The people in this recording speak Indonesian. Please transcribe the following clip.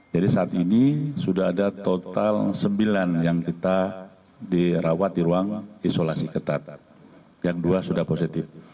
jadi saat ini sudah ada total sembilan yang kita dirawat di ruang isolasi ketat yang dua sudah positif